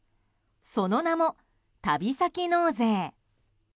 その名も、旅先納税。